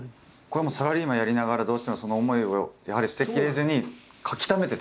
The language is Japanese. これはサラリーマンやりながらどうしてもその思いをやはり捨てきれずに書きためてたんですか？